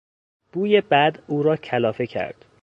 بوی بد او را کلافه کرد.